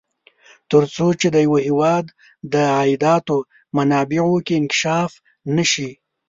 تر څو چې د یوه هېواد د عایداتو منابعو کې انکشاف نه شي.